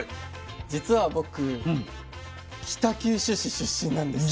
実は僕北九州市出身なんです。